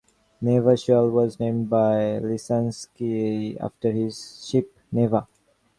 Neva Shoals was named by Lisiansky, after his ship, "Neva".